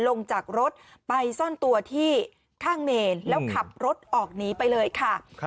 ลงจากรถไปซ่อนตัวที่ข้างเมนแล้วขับรถออกหนีไปเลยค่ะ